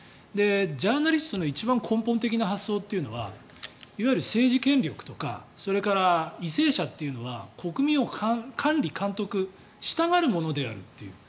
ジャーナリストの一番根本的な発想はいわゆる政治権力とかそれから、為政者というのは国民を管理・監督したがるものであるという。